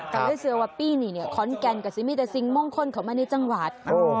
แต่ไม่เสียว่าปีนี่เนี่ยขอนแกนก็จะมีแต่สิ่งม่องข้นของมันในจังหวัด